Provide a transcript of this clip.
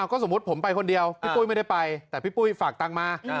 ก็สมมุติผมไปคนเดียวพี่ปุ้ยไม่ได้ไปแต่พี่ปุ้ยฝากตังค์มา